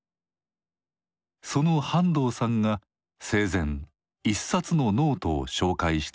その半藤さんが生前一冊のノートを紹介していました。